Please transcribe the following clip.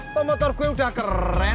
to motor gue udah keren